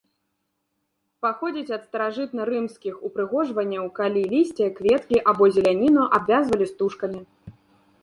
Паходзіць ад старажытнарымскіх упрыгожванняў, калі лісце, кветкі або зеляніну абвязвалі стужкамі.